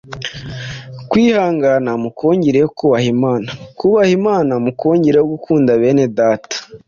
kwihangana mukongereho kubaha Imana; kubaha Imana mukongereho gukunda bene Data;